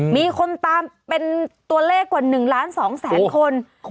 มีคนตามเป็นตัวเลขกว่า๑ล้าน๒แสนคน